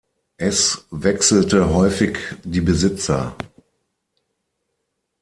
Es wechselte häufig die Besitzer.